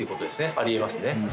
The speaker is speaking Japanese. ありえますね。